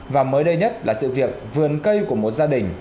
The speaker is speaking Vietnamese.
và mới đây nhất là sự việc vườn cây của một gia đình